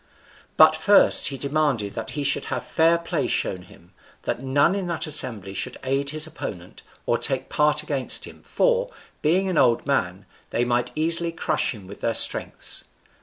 But first he demanded that he should have fair play shown him, that none in that assembly should aid his opponent, or take part against him, for, being an old man, they might easily crush him with their strengths.